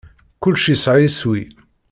Kullec yesɛa iswi.